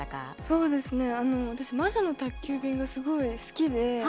そうですね、あの私「魔女の宅急便」がすごい好きで。